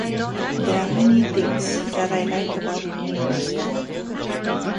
There are many things that I like about my university.